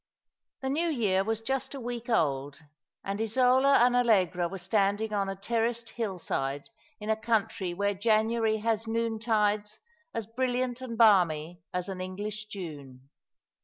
The new year was just a week old, and Isola and Allegra were standing on a terraced hillside in a country where January has noontides as brilh'ant and balmy as an English June.